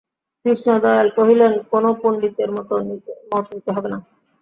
কৃষ্ণদয়াল কহিলেন, কোনো পণ্ডিতের মত নিতে হবে না।